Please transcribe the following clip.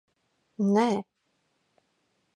Nē.